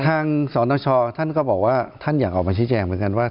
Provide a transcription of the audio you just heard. สนชท่านก็บอกว่าท่านอยากออกมาชี้แจงเหมือนกันว่า